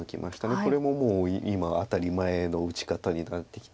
これももう今は当たり前の打ち方になってきて。